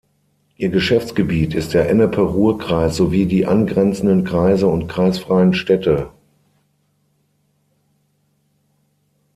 Ihr Geschäftsgebiet ist der Ennepe-Ruhr-Kreis sowie die angrenzenden Kreise und kreisfreien Städte.